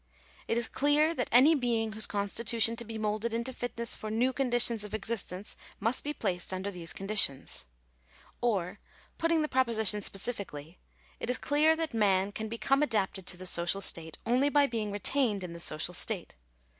It is clear that any being whose constitution is to be moulded into fitness for new conditions of existence must be placed under those conditions. Or, putting the proposition specifically — it is clear that man can become adapted to the social state, only by being retained in the social state.